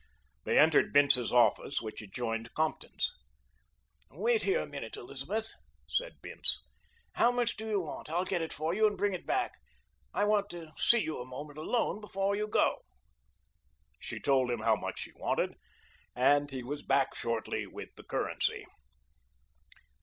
They entered Bince's office, which adjoined Compton's. "Wait here a minute, Elizabeth," said Bince. "How much do you want? I'll get it for you and bring it back. I want to see you a moment alone before you go." She told him how much she wanted, and he was back shortly with the currency.